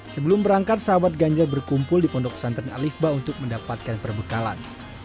sebelum berangkat sahabat ganjar berkumpul di pondok pesantren alifba untuk mendapatkan perbekalan